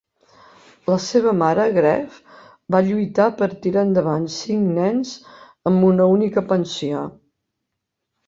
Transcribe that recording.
La seva mare Grave va lluitar per tirar endavant cinc nens amb una única pensió.